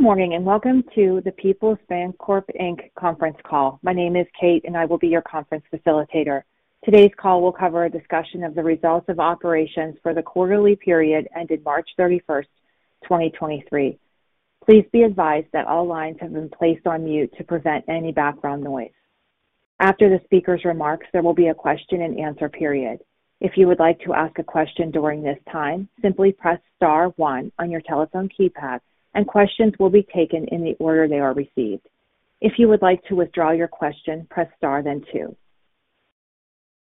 Good morning, and welcome to the Peoples Bancorp Inc. conference call. My name is Kate, and I will be your conference facilitator. Today's call will cover a discussion of the results of operations for the quarterly period ended March 31st, 2023. Please be advised that all lines have been placed on mute to prevent any background noise. After the speaker's remarks, there will be a question-and-answer period. If you would like to ask a question during this time, simply press star one on your telephone keypad and questions will be taken in the order they are received. If you would like to withdraw your question, press star then two.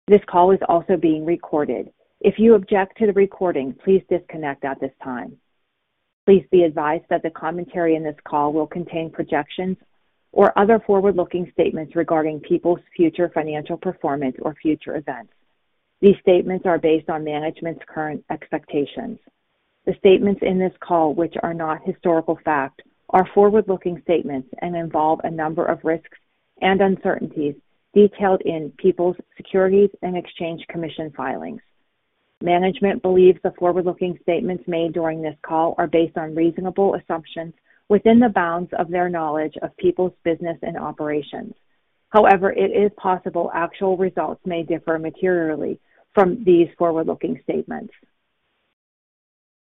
This call is also being recorded. If you object to the recording, please disconnect at this time. Please be advised that the commentary in this call will contain projections or other forward-looking statements regarding Peoples' future financial performance or future events. These statements are based on management's current expectations. The statements in this call, which are not historical fact, are forward-looking statements and involve a number of risks and uncertainties detailed in Peoples' Securities and Exchange Commission filings. Management believes the forward-looking statements made during this call are based on reasonable assumptions within the bounds of their knowledge of Peoples' business and operations. It is possible actual results may differ materially from these forward-looking statements.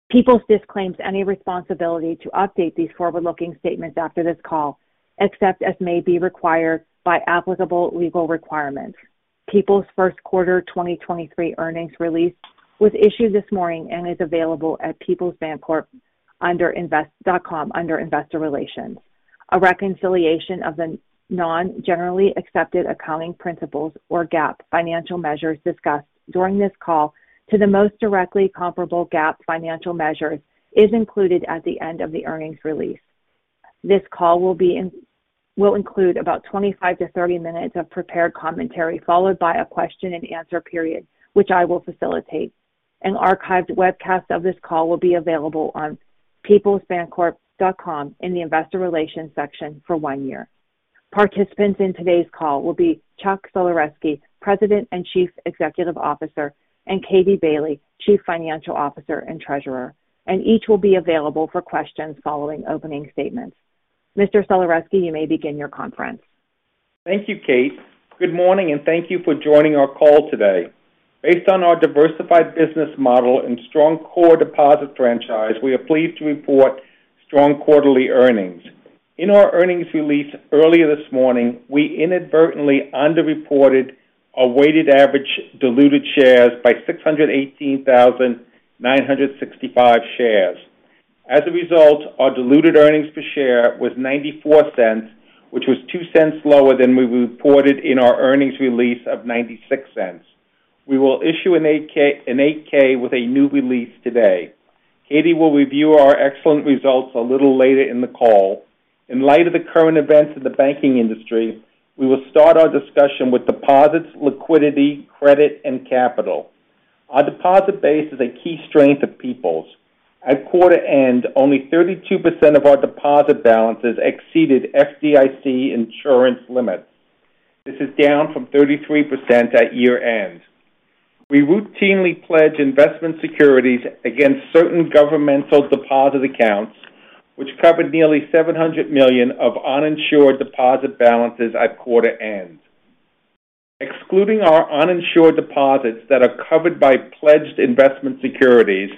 Peoples disclaims any responsibility to update these forward-looking statements after this call, except as may be required by applicable legal requirements. Peoples' first quarter 2023 earnings release was issued this morning and is available at peoplesbancorp.com under investor relations. A reconciliation of the Non-Generally Accepted Accounting Principles or GAAP financial measures discussed during this call to the most directly comparable GAAP financial measures is included at the end of the earnings release. This call will include about 25-30 minutes of prepared commentary, followed by a question-and-answer period, which I will facilitate. An archived webcast of this call will be available on peoplesbancorp.com in the Investor Relations section for one year. Participants in today's call will be Chuck Sulerzyski, President and Chief Executive Officer, and Katie Bailey, Chief Financial Officer and Treasurer, and each will be available for questions following opening statements. Mr. Sulerzyski, you may begin your conference. Thank you, Kate. Good morning, and thank you for joining our call today. Based on our diversified business model and strong core deposit franchise, we are pleased to report strong quarterly earnings. In our earnings release earlier this morning, we inadvertently underreported our weighted average diluted shares by 618,965 shares. As a result, our diluted earnings per share was $0.94, which was $0.02 lower than we reported in our earnings release of $0.96. We will issue an 8-K with a new release today. Katie Bailey will review our excellent results a little later in the call. In light of the current events in the banking industry, we will start our discussion with deposits, liquidity, credit, and capital. Our deposit base is a key strength of Peoples. At quarter end, only 32% of our deposit balances exceeded FDIC insurance limits. This is down from 33% at year-end. We routinely pledge investment securities against certain governmental deposit accounts, which covered nearly $700 million of uninsured deposit balances at quarter end. Excluding our uninsured deposits that are covered by pledged investment securities,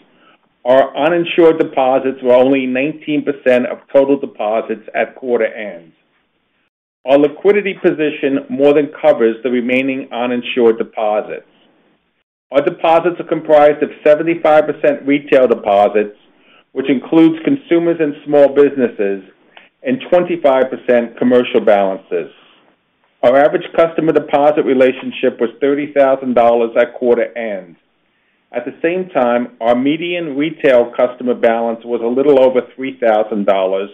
our uninsured deposits were only 19% of total deposits at quarter end. Our liquidity position more than covers the remaining uninsured deposits. Our deposits are comprised of 75% retail deposits, which includes consumers and small businesses, and 25% commercial balances. Our average customer deposit relationship was $30,000 at quarter end. At the same time, our median retail customer balance was a little over $3,000,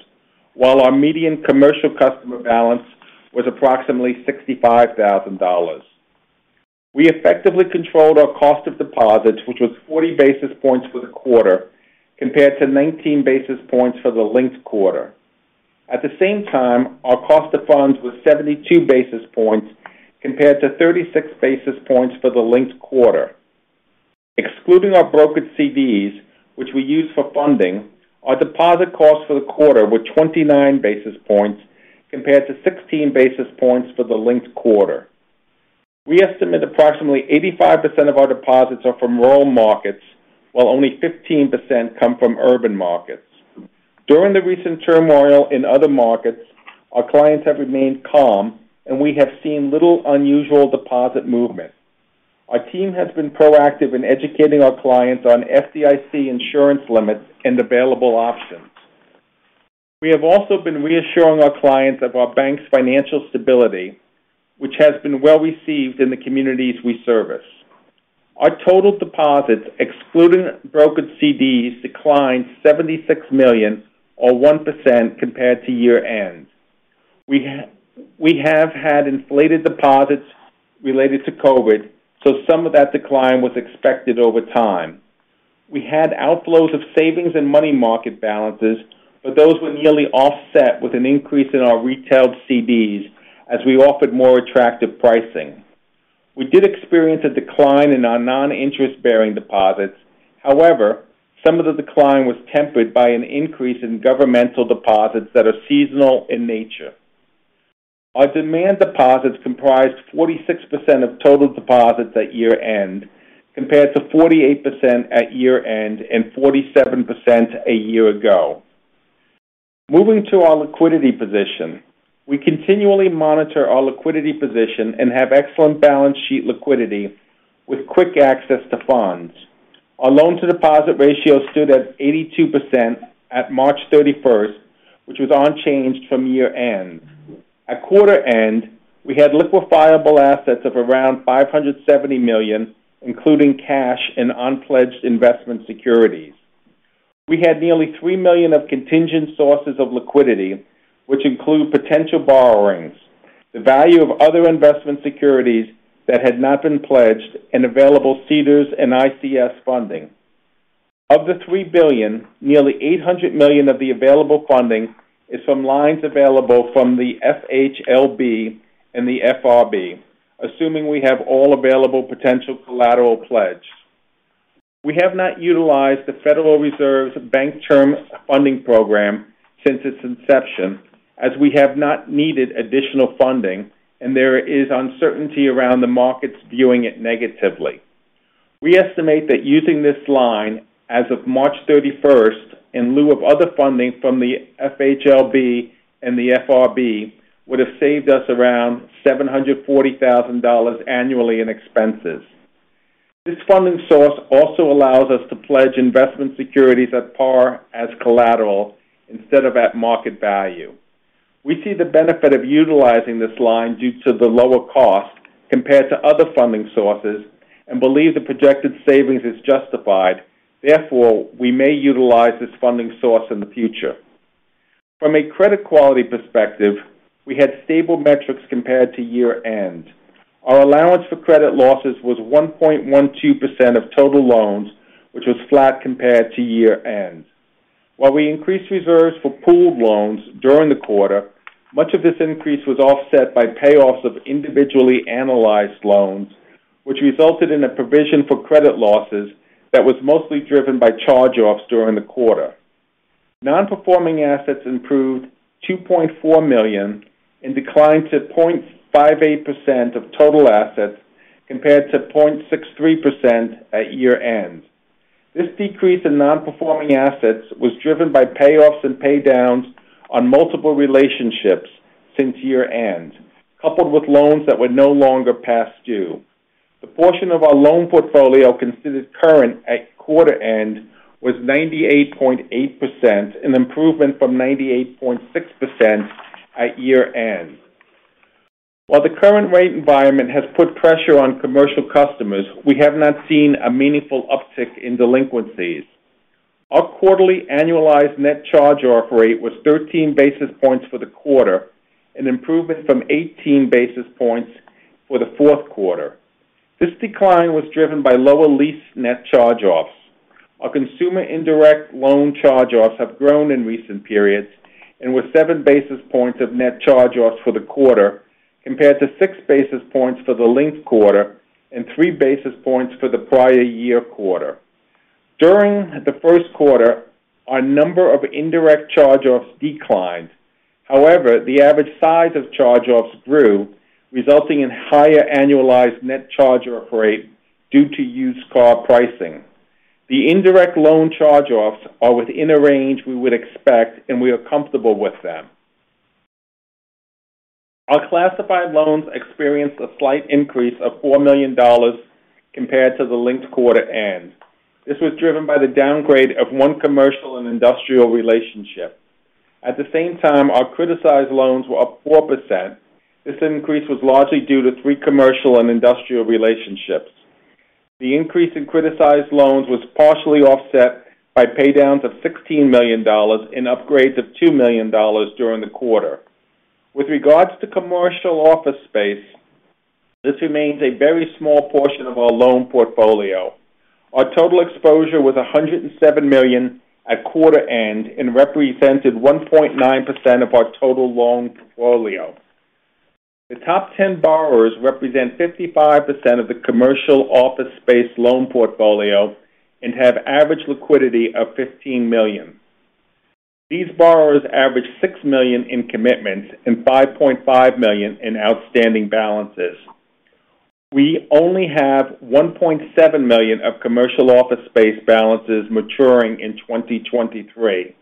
while our median commercial customer balance was approximately $65,000. We effectively controlled our cost of deposits, which was 40 basis points for the quarter, compared to 19 basis points for the linked quarter. At the same time, our cost of funds was 72 basis points compared to 36 basis points for the linked quarter. Excluding our brokered CDs, which we use for funding, our deposit costs for the quarter were 29 basis points compared to 16 basis points for the linked quarter. We estimate approximately 85% of our deposits are from rural markets, while only 15% come from urban markets. During the recent turmoil in other markets, our clients have remained calm, and we have seen little unusual deposit movement. Our team has been proactive in educating our clients on FDIC insurance limits and available options. We have also been reassuring our clients of our bank's financial stability, which has been well-received in the communities we service. Our total deposits, excluding brokered CDs, declined $76 million or 1% compared to year-end. We have had inflated deposits related to COVID, so some of that decline was expected over time. We had outflows of savings and money market balances, but those were nearly offset with an increase in our retailed CDs as we offered more attractive pricing. We did experience a decline in our non-interest-bearing deposits. However, some of the decline was tempered by an increase in governmental deposits that are seasonal in nature. Our demand deposits comprised 46% of total deposits at year-end, compared to 48% at year-end and 47% a year ago. Moving to our liquidity position. We continually monitor our liquidity position and have excellent balance sheet liquidity with quick access to funds. Our loan to deposit ratio stood at 82% at March 31st, which was unchanged from year-end. At quarter-end, we had liquefiable assets of around $570 million, including cash and unpledged investment securities. We had nearly $3 million of contingent sources of liquidity, which include potential borrowings, the value of other investment securities that had not been pledged, and available CDARS and ICS funding. Of the $3 billion, nearly $800 million of the available funding is from lines available from the FHLB and the FRB, assuming we have all available potential collateral pledged. We have not utilized the Federal Reserve's Bank Term Funding Program since its inception, as we have not needed additional funding and there is uncertainty around the markets viewing it negatively. We estimate that using this line as of March 31st, in lieu of other funding from the FHLB and the FRB, would have saved us around $740,000 annually in expenses. This funding source also allows us to pledge investment securities at par as collateral instead of at market value. We see the benefit of utilizing this line due to the lower cost compared to other funding sources and believe the projected savings is justified. Therefore, we may utilize this funding source in the future. From a credit quality perspective, we had stable metrics compared to year-end. Our allowance for credit losses was 1.12% of total loans, which was flat compared to year-end. While we increased reserves for pooled loans during the quarter, much of this increase was offset by payoffs of individually analyzed loans, which resulted in a provision for credit losses that was mostly driven by charge-offs during the quarter. Non-performing assets improved $2.4 million and declined to 0.58% of total assets compared to 0.63% at year-end. This decrease in non-performing assets was driven by payoffs and paydowns on multiple relationships since year-end, coupled with loans that were no longer past due. The portion of our loan portfolio considered current at quarter end was 98.8%, an improvement from 98.6% at year-end. While the current rate environment has put pressure on commercial customers, we have not seen a meaningful uptick in delinquencies. Our quarterly annualized net charge-off rate was 13 basis points for the quarter, an improvement from 18 basis points for the fourth quarter. This decline was driven by lower lease net charge-offs. Our consumer indirect loan charge-offs have grown in recent periods and were 7 basis points of net charge-offs for the quarter, compared to 6 basis points for the linked quarter and 3 basis points for the prior year quarter. During the first quarter, our number of indirect charge-offs declined. However, the average size of charge-offs grew, resulting in higher annualized net charge-off rate due to used car pricing. The indirect loan charge-offs are within a range we would expect, and we are comfortable with them. Our classified loans experienced a slight increase of $4 million compared to the linked quarter end. This was driven by the downgrade of one commercial and industrial relationship. At the same time, our criticized loans were up 4%. This increase was largely due to three commercial and industrial relationships. The increase in criticized loans was partially offset by paydowns of $16 million and upgrades of $2 million during the quarter. With regards to commercial office space, this remains a very small portion of our loan portfolio. Our total exposure was $107 million at quarter end and represented 1.9% of our total loan portfolio. The top 10 borrowers represent 55% of the commercial office space loan portfolio and have average liquidity of $15 million. These borrowers average $6 million in commitments and $5.5 million in outstanding balances. We only have $1.7 million of commercial office space balances maturing in 2023.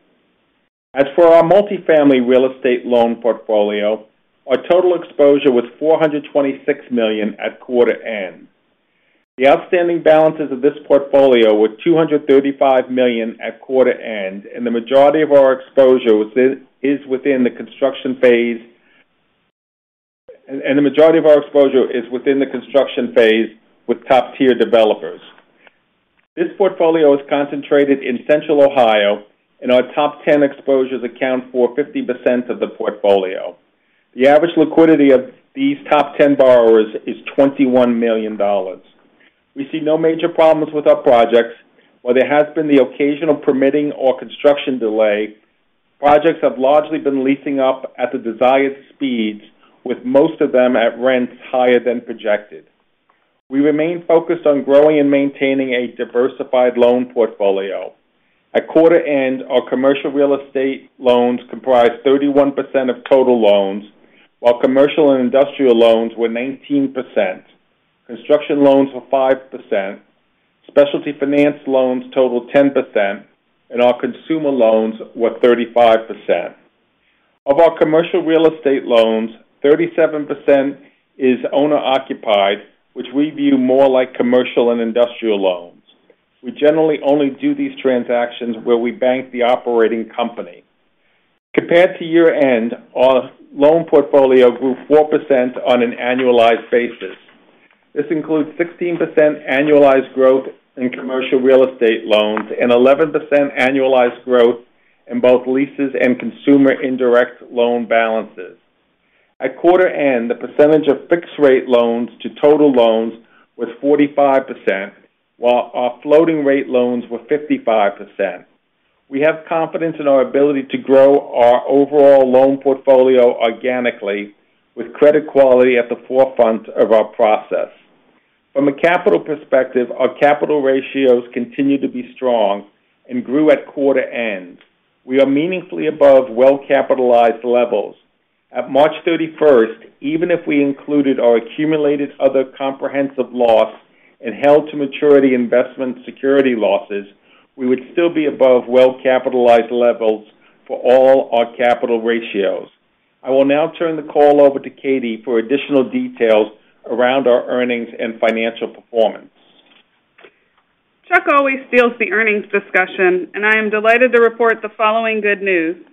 As for our multifamily real estate loan portfolio, our total exposure was $426 million at quarter end. The outstanding balances of this portfolio were $235 million at quarter end, the majority of our exposure is within the construction phase with top-tier developers. This portfolio is concentrated in Central Ohio, and our top 10 exposures account for 50% of the portfolio. The average liquidity of these top 10 borrowers is $21 million. We see no major problems with our projects. While there has been the occasional permitting or construction delay. Projects have largely been leasing up at the desired speeds, with most of them at rents higher than projected. We remain focused on growing and maintaining a diversified loan portfolio. At quarter end, our commercial real estate loans comprise 31% of total loans, while commercial and industrial loans were 19%. Construction loans were 5%. Specialty finance loans totaled 10%, and our consumer loans were 35%. Of our commercial real estate loans, 37% is owner-occupied, which we view more like commercial and industrial loans. We generally only do these transactions where we bank the operating company. Compared to year-end, our loan portfolio grew 4% on an annualized basis. This includes 16% annualized growth in commercial real estate loans and 11% annualized growth in both leases and consumer indirect loan balances. At quarter end, the percentage of fixed rate loans to total loans was 45%, while our floating rate loans were 55%. We have confidence in our ability to grow our overall loan portfolio organically with credit quality at the forefront of our process. From a capital perspective, our capital ratios continue to be strong and grew at quarter end. We are meaningfully above well-capitalized levels. At March 31st, even if we included our Accumulated Other Comprehensive Loss and held-to-maturity investment security losses, we would still be above well-capitalized levels for all our capital ratios. I will now turn the call over to Katie for additional details around our earnings and financial performance. Chuck always steals the earnings discussion. I am delighted to report the following good news.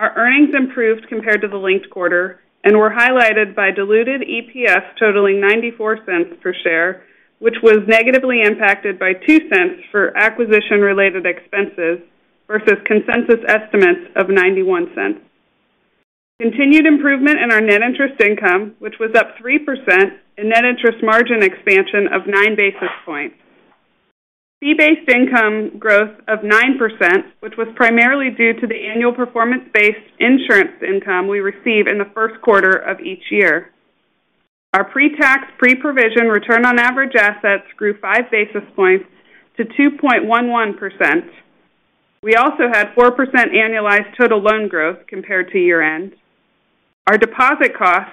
Our earnings improved compared to the linked quarter and were highlighted by diluted EPS totaling $0.94 per share, which was negatively impacted by $0.02 for acquisition-related expenses versus consensus estimates of $0.91. Continued improvement in our net interest income, which was up 3%, and net interest margin expansion of 9 basis points. Fee-based income growth of 9%, which was primarily due to the annual performance-based insurance income we receive in the first quarter of each year. Our pre-tax, pre-provision return on average assets grew 5 basis points to 2.11%. We also had 4% annualized total loan growth compared to year end. Our deposit costs,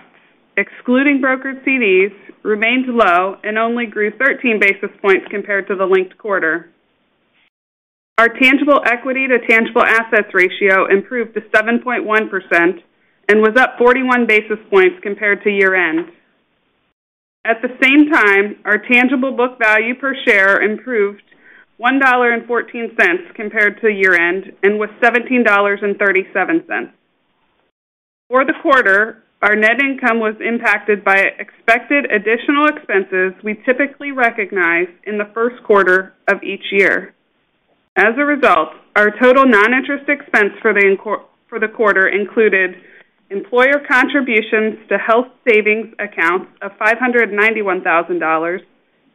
excluding brokered CDs, remained low and only grew 13 basis points compared to the linked quarter. Our tangible equity to tangible assets ratio improved to 7.1% and was up 41 basis points compared to year-end. At the same time, our tangible book value per share improved $1.14 compared to year-end and was $17.37. For the quarter, our net income was impacted by expected additional expenses we typically recognize in the first quarter of each year. As a result, our total non-interest expense for the quarter included employer contributions to Health Savings Accounts of $591,000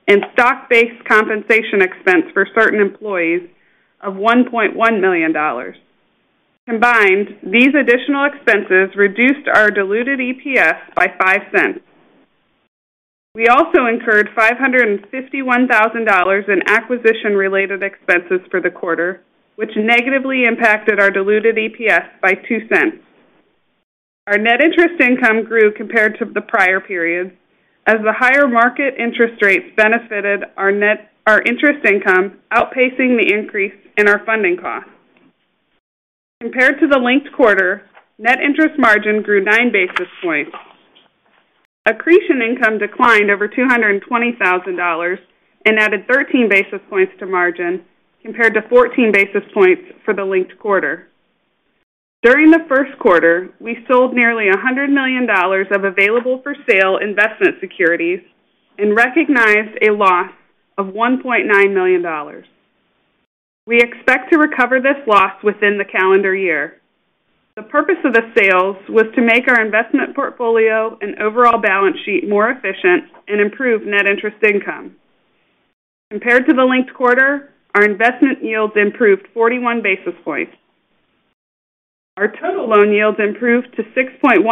and stock-based compensation expense for certain employees of $1.1 million. Combined, these additional expenses reduced our diluted EPS by $0.05. We also incurred $551,000 in acquisition-related expenses for the quarter, which negatively impacted our diluted EPS by $0.02. Our net interest income grew compared to the prior periods as the higher market interest rates benefited our interest income, outpacing the increase in our funding costs. Compared to the linked quarter, net interest margin grew 9 basis points. Accretion income declined over $220,000 and added 13 basis points to margin, compared to 14 basis points for the linked quarter. During the first quarter, we sold nearly $100 million of available-for-sale investment securities and recognized a loss of $1.9 million. We expect to recover this loss within the calendar year. The purpose of the sales was to make our investment portfolio and overall balance sheet more efficient and improve net interest income. Compared to the linked quarter, our investment yields improved 41 basis points. Our total loan yields improved to 6.1%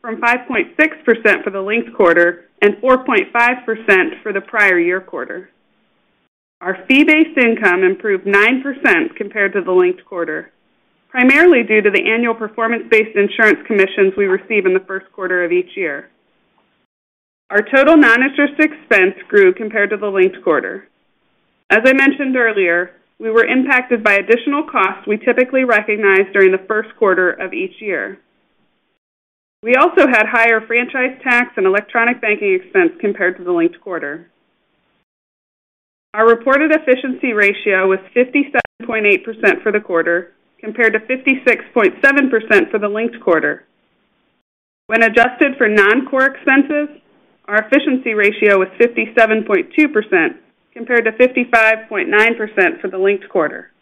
from 5.6% for the linked quarter and 4.5% for the prior year quarter. Our fee-based income improved 9% compared to the linked quarter, primarily due to the annual performance-based insurance commissions we receive in the first quarter of each year. Our total non-interest expense grew compared to the linked quarter. As I mentioned earlier, we were impacted by additional costs we typically recognize during the first quarter of each year. We also had higher franchise tax and electronic banking expense compared to the linked quarter. Our reported efficiency ratio was 57.8% for the quarter, compared to 56.7% for the linked quarter. When adjusted for non-core expenses, our efficiency ratio was 57.2%, compared to 55.9% for the linked quarter.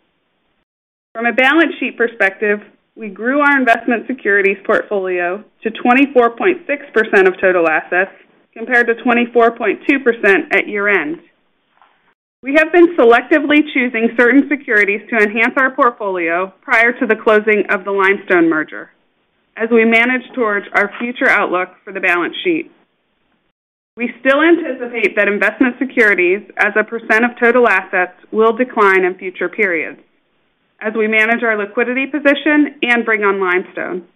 From a balance sheet perspective, we grew our investment securities portfolio to 24.6% of total assets, compared to 24.2% at year-end. We have been selectively choosing certain securities to enhance our portfolio prior to the closing of the Limestone merger as we manage towards our future outlook for the balance sheet. We still anticipate that investment securities as a percent of total assets will decline in future periods as we manage our liquidity position and bring on Limestone.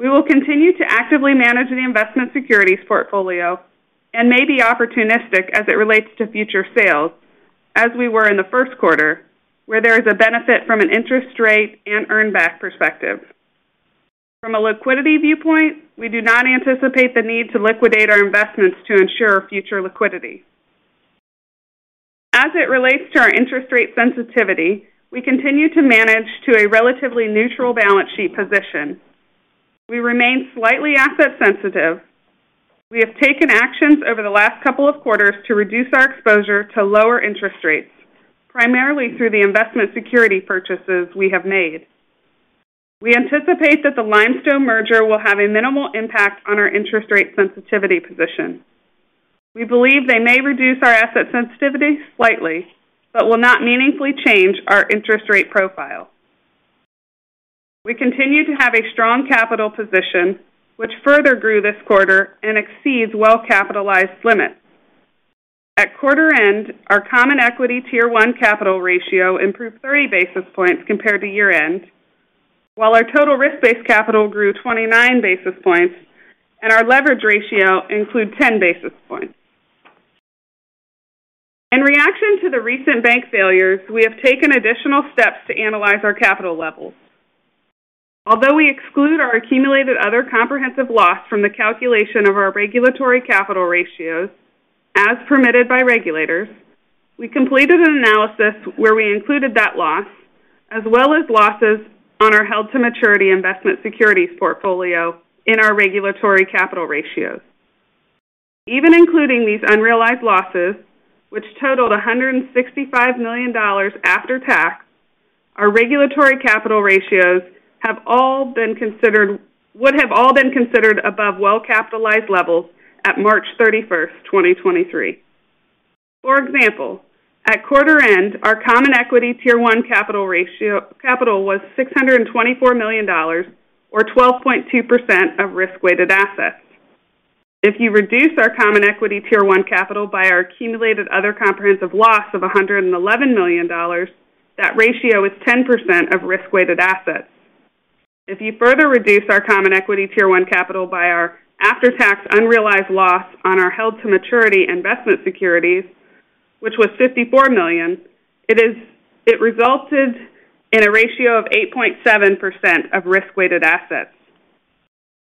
We will continue to actively manage the investment securities portfolio and may be opportunistic as it relates to future sales as we were in the first quarter where there is a benefit from an interest rate and earn back perspective. From a liquidity viewpoint, we do not anticipate the need to liquidate our investments to ensure future liquidity. As it relates to our interest rate sensitivity, we continue to manage to a relatively neutral balance sheet position. We remain slightly asset sensitive. We have taken actions over the last couple of quarters to reduce our exposure to lower interest rates, primarily through the investment security purchases we have made. We anticipate that the Limestone merger will have a minimal impact on our interest rate sensitivity position. We believe they may reduce our asset sensitivity slightly but will not meaningfully change our interest rate profile. We continue to have a strong capital position which further grew this quarter and exceeds well-capitalized limits. At quarter end, our common equity Tier 1 capital ratio improved 30 basis points compared to year-end, while our total risk-based capital grew 29 basis points and our leverage ratio include 10 basis points. In reaction to the recent bank failures, we have taken additional steps to analyze our capital levels. Although we exclude our Accumulated Other Comprehensive Loss from the calculation of our regulatory capital ratios as permitted by regulators, we completed an analysis where we included that loss as well as losses on our held-to-maturity investment securities portfolio in our regulatory capital ratios. Even including these unrealized losses, which totaled $165 million after tax, our regulatory capital ratios would have all been considered above well-capitalized levels at March 31st, 2023. For example, at quarter end, our Common Equity Tier 1 capital ratio was $624 million or 12.2% of risk-weighted assets. If you reduce our Common Equity Tier 1 capital by our Accumulated Other Comprehensive Loss of $111 million, that ratio is 10% of risk-weighted assets. If you further reduce our Common Equity Tier 1 capital by our after-tax unrealized loss on our held-to-maturity investment securities, which was $54 million, it resulted in a ratio of 8.7% of risk-weighted assets.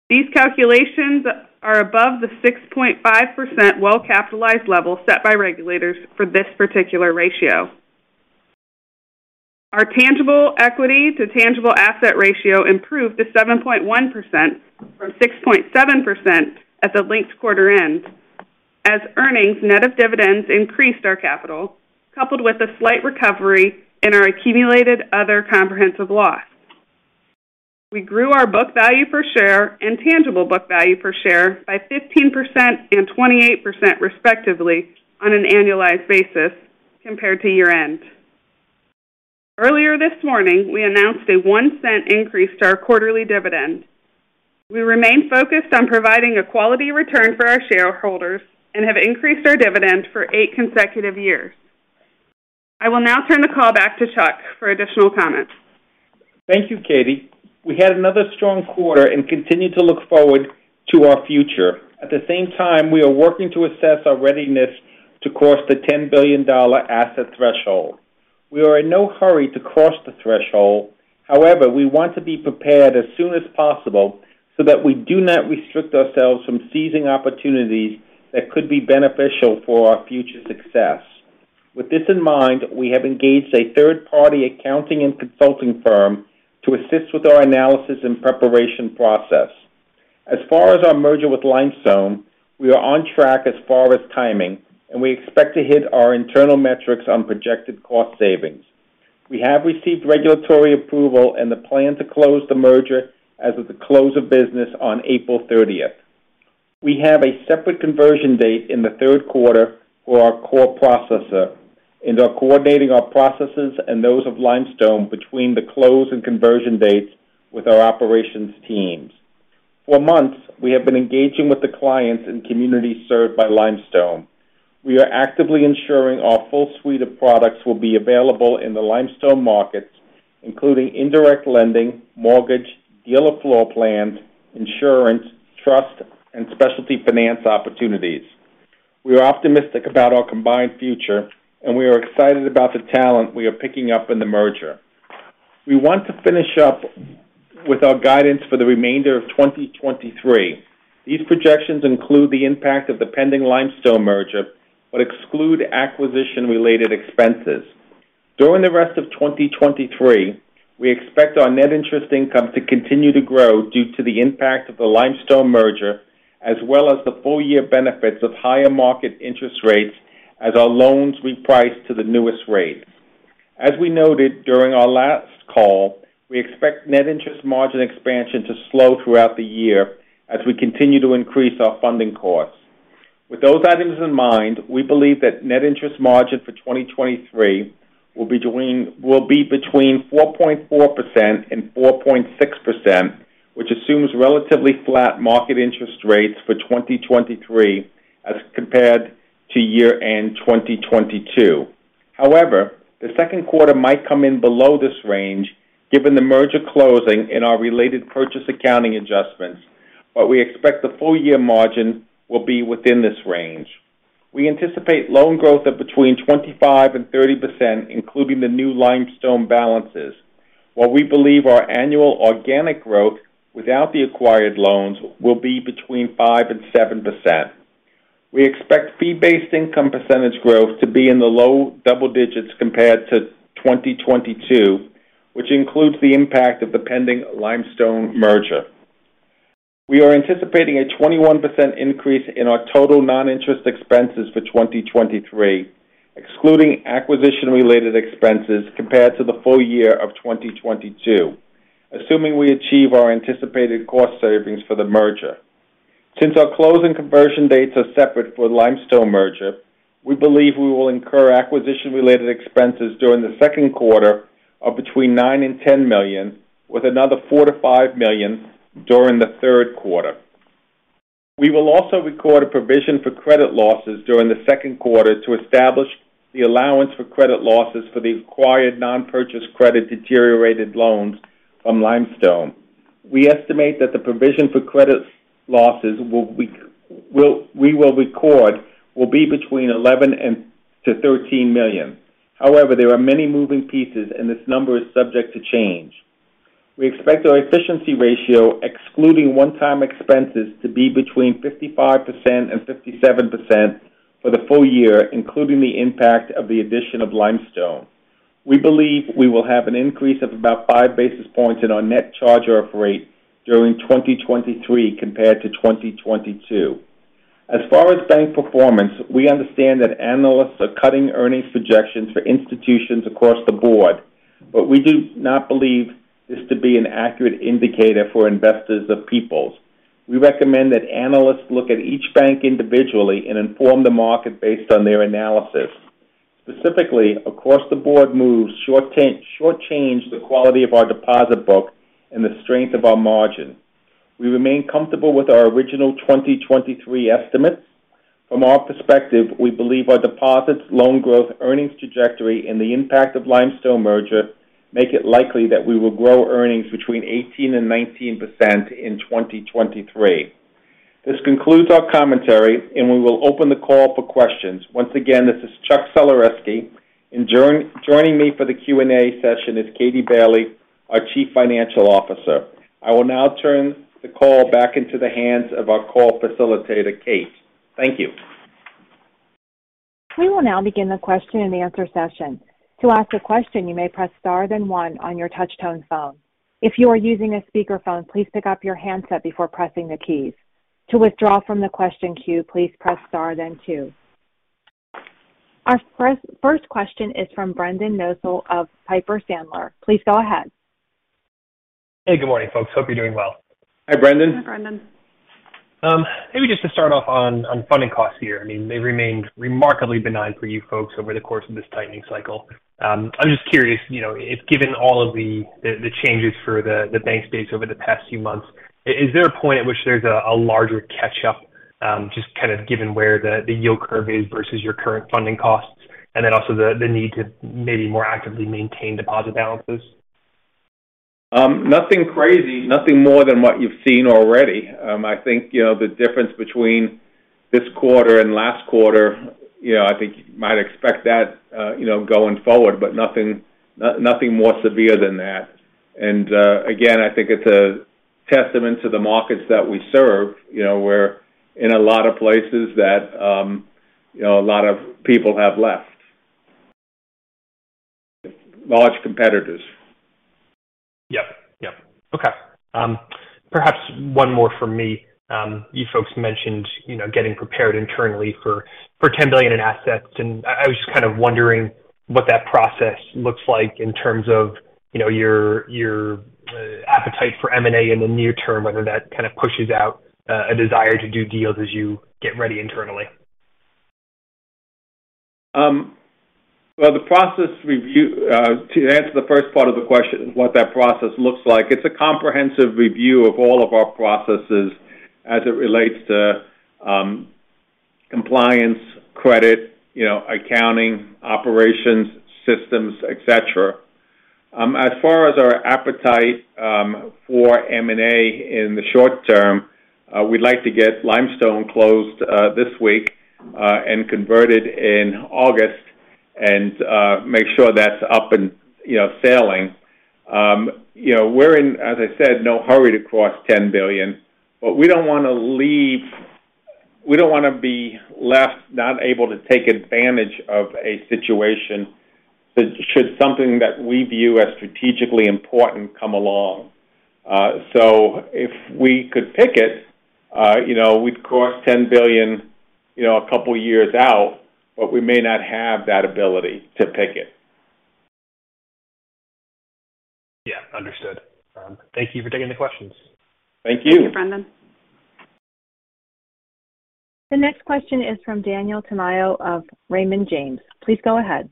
These calculations are above the 6.5% well-capitalized level set by regulators for this particular ratio. Our tangible equity to tangible assets ratio improved to 7.1% from 6.7% at the linked quarter end as earnings net of dividends increased our capital, coupled with a slight recovery in our Accumulated Other Comprehensive Loss. We grew our book value per share and tangible book value per share by 15% and 28% respectively on an annualized basis compared to year-end. Earlier this morning, we announced a $0.01 increase to our quarterly dividend. We remain focused on providing a quality return for our shareholders and have increased our dividend for eight consecutive years. I will now turn the call back to Chuck for additional comments. Thank you, Katie. We had another strong quarter and continue to look forward to our future. At the same time, we are working to assess our readiness to cross the $10 billion asset threshold. We are in no hurry to cross the threshold. However, we want to be prepared as soon as possible so that we do not restrict ourselves from seizing opportunities that could be beneficial for our future success. With this in mind, we have engaged a third-party accounting and consulting firm to assist with our analysis and preparation process. As far as our merger with Limestone, we are on track as far as timing, and we expect to hit our internal metrics on projected cost savings. We have received regulatory approval and plan to close the merger as of the close of business on April 30th. We have a separate conversion date in the third quarter for our core processor and are coordinating our processes and those of Limestone between the close and conversion dates with our operations teams. For months, we have been engaging with the clients and communities served by Limestone. We are actively ensuring our full suite of products will be available in the Limestone markets, including indirect lending, mortgage, dealer floor plans, insurance, trust, and specialty finance opportunities. We are optimistic about our combined future and we are excited about the talent we are picking up in the merger. We want to finish up with our guidance for the remainder of 2023. These projections include the impact of the pending Limestone merger, but exclude acquisition related expenses. During the rest of 2023, we expect our net interest income to continue to grow due to the impact of the Limestone merger as well as the full year benefits of higher market interest rates as our loans reprice to the newest rate. As we noted during our last call, we expect net interest margin expansion to slow throughout the year as we continue to increase our funding costs. With those items in mind, we believe that net interest margin for 2023 will be between 4.4% and 4.6%, which assumes relatively flat market interest rates for 2023 as compared to year-end 2022. The second quarter might come in below this range given the merger closing and our related purchase accounting adjustments. We expect the full year margin will be within this range. We anticipate loan growth of between 25% and 30%, including the new Limestone balances. While we believe our annual organic growth without the acquired loans will be between 5% and 7%. We expect fee-based income percentage growth to be in the low double digits compared to 2022, which includes the impact of the pending Limestone merger. We are anticipating a 21% increase in our total non-interest expenses for 2023, excluding acquisition related expenses compared to the full year of 2022, assuming we achieve our anticipated cost savings for the merger. Since our close and conversion dates are separate for the Limestone merger, we believe we will incur acquisition related expenses during the second quarter of between $9 million-$10 million, with another $4 million-$5 million during the third quarter. We will also record a provision for credit losses during the second quarter to establish the allowance for credit losses for the acquired non-purchased credit deteriorated loans from Limestone. We estimate that the provision for credit losses we will record will be between $11 million-$13 million. However, there are many moving pieces, and this number is subject to change. We expect our efficiency ratio, excluding one-time expenses, to be between 55% and 57% for the full year, including the impact of the addition of Limestone. We believe we will have an increase of about 5 basis points in our net charge off rate during 2023 compared to 2022. As far as bank performance, we understand that analysts are cutting earnings projections for institutions across the board. We do not believe this to be an accurate indicator for investors of Peoples. We recommend that analysts look at each bank individually and inform the market based on their analysis. Specifically, across the board moves short change the quality of our deposit book and the strength of our margin. We remain comfortable with our original 2023 estimates. From our perspective, we believe our deposits, loan growth, earnings trajectory, and the impact of Limestone merger make it likely that we will grow earnings between 18% and 19% in 2023. This concludes our commentary, and we will open the call for questions. Once again, this is Chuck Sulerzyski, and joining me for the Q&A session is Katie Bailey, our Chief Financial Officer. I will now turn the call back into the hands of our call facilitator, Kate. Thank you. We will now begin the question-and-answer session. To ask a question, you may press star, then one on your touch-tone phone. If you are using a speakerphone, please pick up your handset before pressing the keys. To withdraw from the question queue, please press star then two. Our first question is from Brendan Nosal of Piper Sandler. Please go ahead. Hey, good morning, folks. Hope you're doing well. Hi, Brendan. Hi, Brendan. Maybe just to start off on funding costs here. I mean, they remained remarkably benign for you folks over the course of this tightening cycle. I'm just curious, you know, if given all of the changes for the bank space over the past few months, is there a point at which there's a larger catch up, just kind of given where the yield curve is versus your current funding costs and then also the need to maybe more actively maintain deposit balances? Nothing crazy, nothing more than what you've seen already. I think, you know the difference between this quarter and last quarter, you know, I think you might expect that, you know, going forward, but nothing more severe than that. Again, I think it's a testament to the markets that we serve. You know, we're in a lot of places that, you know, a lot of people have left. Large competitors. Yep. Yep. Okay. Perhaps one more from me. You folks mentioned, you know, getting prepared internally for $10 billion in assets. I was just kind of wondering what that process looks like in terms of, you know, your appetite for M&A in the near term, whether that kind of pushes out a desire to do deals as you get ready internally? Well, the process review to answer the first part of the question, what that process looks like, it's a comprehensive review of all of our processes as it relates to compliance, credit, you know, accounting, operations, systems, et cetera. As far as our appetite for M&A in the short term, we'd like to get Limestone closed this week and converted in August and make sure that's up and, you know, sailing. You know, we're in, as I said, no hurry to cross $10 billion. We don't wanna be left not able to take advantage of a situation that should something that we view as strategically important come along. If we could pick it, you know, we'd cost $10 billion, you know, a couple years out. We may not have that ability to pick it. Yeah, understood. Thank you for taking the questions. Thank you. Thank you, Brendan. The next question is from Daniel Tamayo of Raymond James. Please go ahead.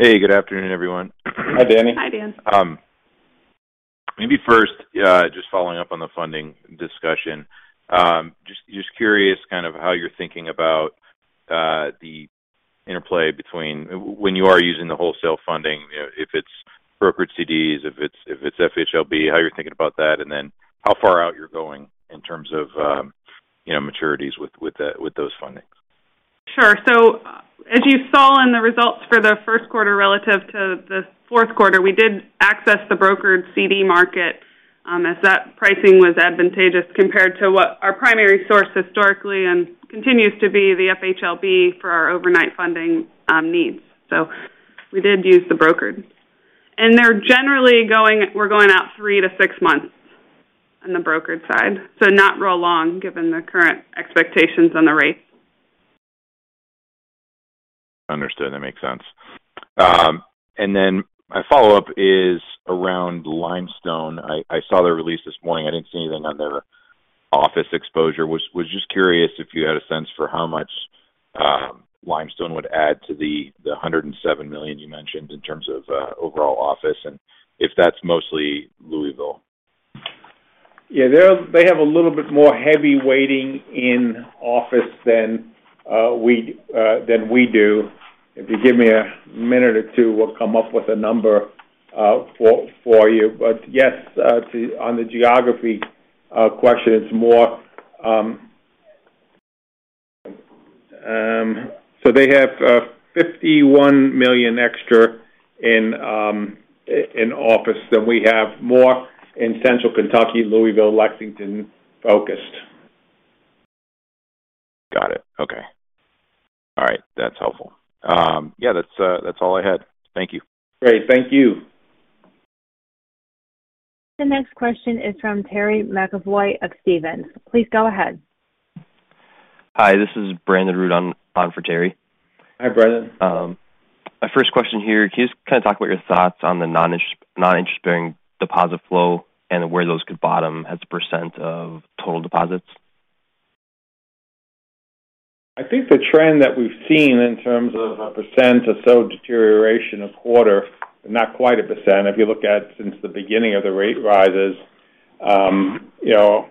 Hey, good afternoon, everyone. Hi, Danny. Hi, Dan. Maybe first, just following up on the funding discussion. Just curious kind of how you're thinking about the interplay between when you are using the wholesale funding, if it's brokered CDs, if it's FHLB, how you're thinking about that, and then how far out you're going in terms of, you know, maturities with those fundings. Sure. As you saw in the results for the first quarter relative to the fourth quarter, we did access the brokered CD market, as that pricing was advantageous compared to what our primary source historically and continues to be the FHLB for our overnight funding needs. We did use the brokered. They're generally we're going out three to six months on the brokered side, so not real long given the current expectations on the rates. Understood. That makes sense. My follow-up is around Limestone. I saw the release this morning. I didn't see anything on the office exposure. Was just curious if you had a sense for how much Limestone would add to the $107 million you mentioned in terms of overall office and if that's mostly Louisville. Yeah. They have a little bit more heavy weighting in office than we than we do. If you give me a minute or two, we'll come up with a number for you. Yes, on the geography question, it's more. They have $51 million extra in office than we have, more in central Kentucky, Louisville, Lexington-focused. Got it. Okay. All right. That's helpful. Yeah, that's all I had. Thank you. Great. Thank you. The next question is from Terry McEvoy of Stephens. Please go ahead. Hi, this is Brandon Rud on for Terry. Hi, Brandon. My first question here, can you just kind of talk about your thoughts on the non-interest-bearing deposit flow and where those could bottom as a percent of total deposits? I think the trend that we've seen in terms of 1% or so deterioration of quarter, not quite 1%, if you look at since the beginning of the rate rises, you know,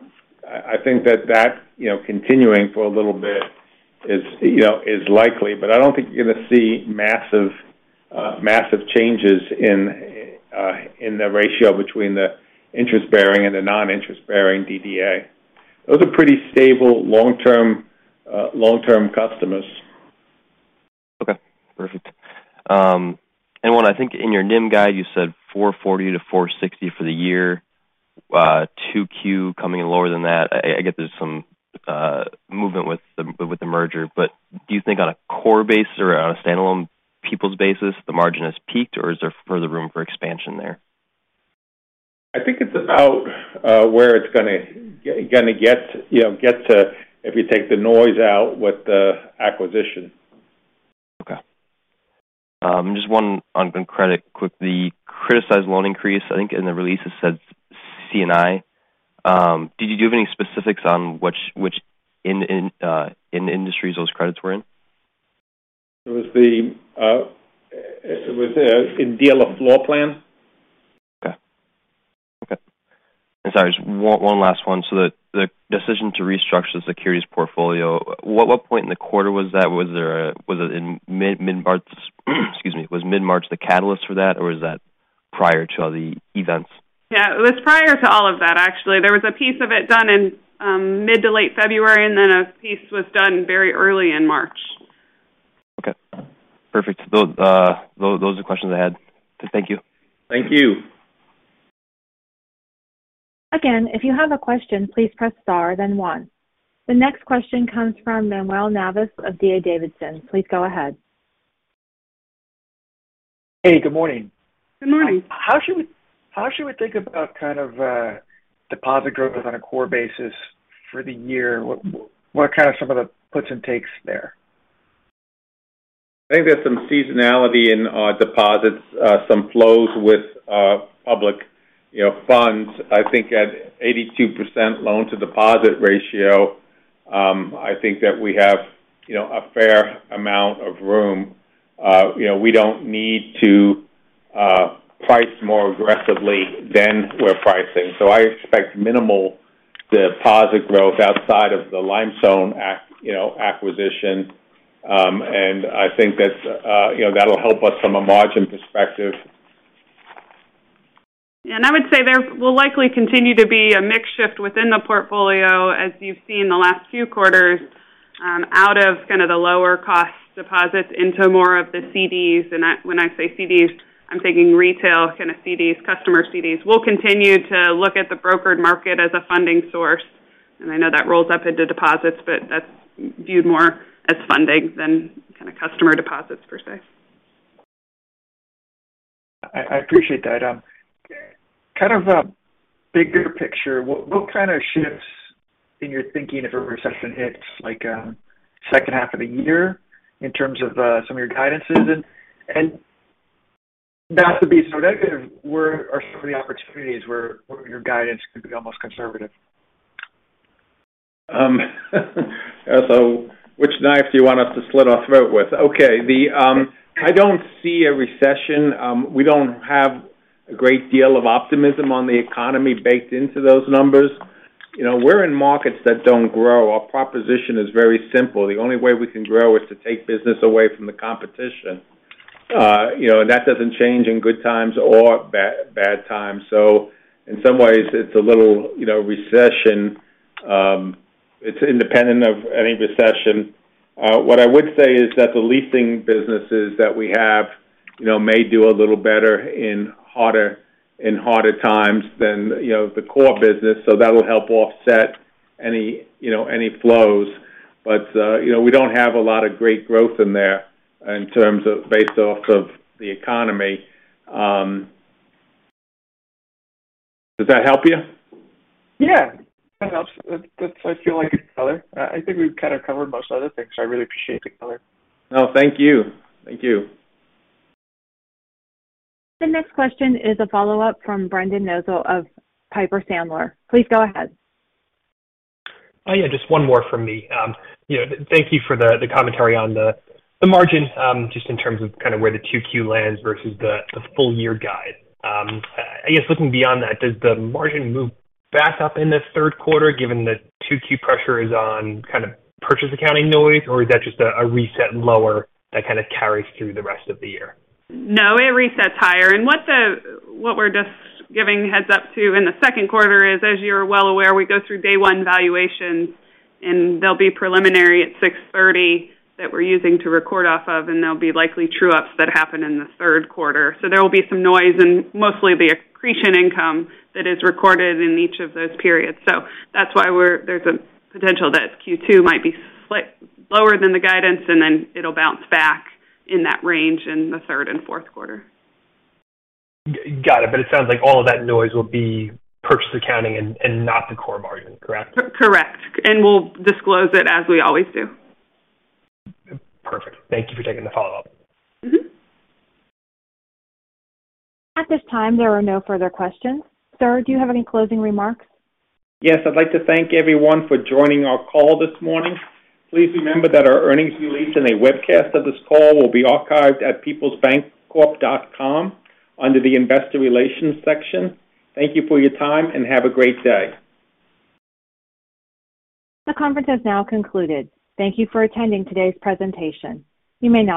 I think that that, you know, continuing for a little bit is, you know, is likely. I don't think you're going to see massive changes in the ratio between the interest-bearing and the non-interest-bearing DDA. Those are pretty stable long-term, long-term customers. Okay. Perfect. When I think in your NIM guide, you said 4.40%-4.60% for the year, 2Q coming in lower than that. I get there's some movement with the merger. Do you think on a core basis or on a standalone Peoples basis, the margin has peaked, or is there further room for expansion there? I think it's about where it's gonna get, you know, get to if you take the noise out with the acquisition. Okay. Just one on credit quickly. Criticized loan increase, I think in the release it said C&I. Did you give any specifics on which in the industries those credits were in? It was the, it was in dealer floor plan. Okay. Okay. Sorry, just one last one. The decision to restructure the securities portfolio, what point in the quarter was that? Was it in mid-March? Excuse me. Was mid-March the catalyst for that, or was that prior to all the events? Yeah. It was prior to all of that, actually. There was a piece of it done in mid to late February, and then a piece was done very early in March. Okay. Perfect. Those, those are questions I had. Thank you. Thank you. Again, if you have a question, please press star then one. The next question comes from Manuel Navas of D.A. Davidson. Please go ahead. Hey, good morning. Good morning. How should we think about kind of deposit growth on a core basis for the year? What are kind of some of the puts and takes there? I think there's some seasonality in deposits, some flows with public, you know, funds. I think at 82% loan to deposit ratio, I think that we have, you know, a fair amount of room. You know, we don't need to price more aggressively than we're pricing. I expect minimal deposit growth outside of the Limestone, you know, acquisition. I think that's, you know, that'll help us from a margin perspective. I would say there will likely continue to be a mix shift within the portfolio as you've seen the last few quarters, out of kind of the lower cost deposits into more of the CDs. When I say CDs, I'm thinking retail kind of CDs, customer CDs. We'll continue to look at the brokered market as a funding source. I know that rolls up into deposits, but that's viewed more as funding than kind of customer deposits per se. I appreciate that. kind of a bigger picture, what kind of shifts in your thinking if a recession hits like second half of the year in terms of some of your guidances? Not to be so negative, where are some of the opportunities where your guidance could be almost conservative? Which knife do you want us to slit our throat with? Okay. I don't see a recession. We don't have a great deal of optimism on the economy baked into those numbers. You know, we're in markets that don't grow. Our proposition is very simple. The only way we can grow is to take business away from the competition. You know, that doesn't change in good times or bad times. In some ways it's a little, you know, recession. It's independent of any recession. What I would say is that the leasing businesses that we have, you know, may do a little better in harder times than, you know, the core business, so that'll help offset any, you know, any flows. You know, we don't have a lot of great growth in there in terms of based off of the economy. Does that help you? Yeah, that helps. That's I feel like it's color. I think we've kind of covered most other things. I really appreciate the color. No, thank you. Thank you. The next question is a follow-up from Brendan Nosal of Piper Sandler. Please go ahead. Oh, yeah, just one more from me. You know, thank you for the commentary on the margin, just in terms of kind of where the 2Q lands versus the full year guide. I guess looking beyond that, does the margin move back up in this third quarter given the 2Q pressure is on kind of purchase accounting noise, or is that just a reset lower that kind of carries through the rest of the year? No, it resets higher. What we're just giving heads-up to in the second quarter is, as you're well aware, we go through day one valuations, and they'll be preliminary at 6/30 that we're using to record off of, and there'll be likely true ups that happen in the third quarter. There will be some noise in mostly the accretion income that is recorded in each of those periods. That's why there's a potential that Q2 might be slight lower than the guidance, and then it'll bounce back in that range in the third and fourth quarter. Got it. It sounds like all of that noise will be purchase accounting and not the core margin, correct? Co-correct. We'll disclose it as we always do. Perfect. Thank you for taking the follow-up. Mm-hmm. At this time, there are no further questions. Sir, do you have any closing remarks? Yes. I'd like to thank everyone for joining our call this morning. Please remember that our earnings release and a webcast of this call will be archived at peoplesbancorp.com under the Investor Relations section. Thank you for your time and have a great day. The conference has now concluded. Thank you for attending today's presentation. You may now disconnect.